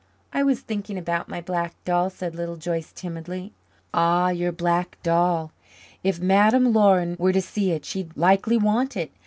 "I was thinking about my black doll," said Little Joyce timidly. "Ah, your black doll. If Madame Laurin were to see it, she'd likely want it.